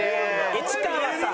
市川さん。